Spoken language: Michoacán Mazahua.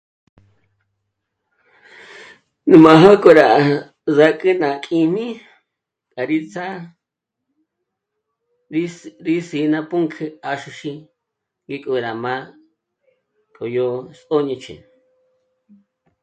Má jó'o k'o rá... rá kǘ'ü ná k'íjmi à rí tsjá'a, rís... rí sí ná pǔnk'ü 'àxúxí ngék'o rá má'a k'o yó s'óñech'e